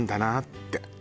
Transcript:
って。